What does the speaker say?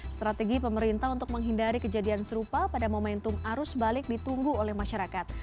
strategi pemerintah untuk menghindari kejadian serupa pada momentum arus balik ditunggu oleh masyarakat